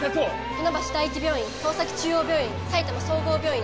船橋第一病院川崎中央病院埼玉総合病院